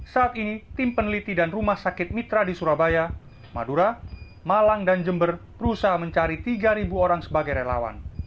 saat ini tim peneliti dan rumah sakit mitra di surabaya madura malang dan jember berusaha mencari tiga orang sebagai relawan